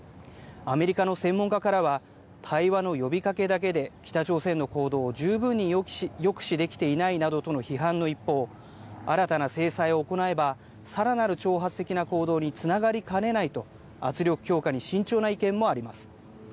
アメリカの専門家からは、対話の呼びかけだけで、北朝鮮の行動を十分に抑止できていないなどとの批判の一方、新たな制裁を行えば、さらなる挑発的な行動につながりかねないと、圧力強化に慎重な意見もあります。